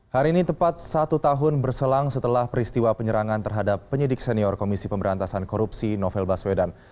hari ini tepat satu tahun berselang setelah peristiwa penyerangan terhadap penyidik senior komisi pemberantasan korupsi novel baswedan